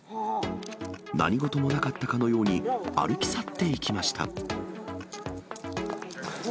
何事もなかったかのように歩き去っていきました。